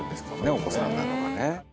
お子さんだとかね。